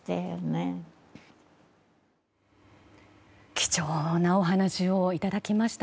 貴重なお話をいただきました。